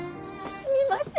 すみません。